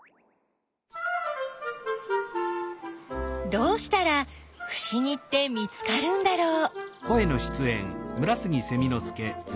どうしたらふしぎって見つかるんだろう？